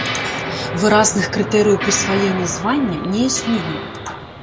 Выразных крытэрыяў прысваення звання не існуе.